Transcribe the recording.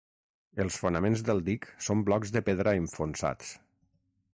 Els fonaments del dic són blocs de pedra enfonsats.